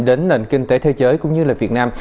đến nền kinh tế thế giới cũng như là việt nam